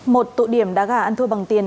một tụ điểm đá gà ăn thua bằng tiền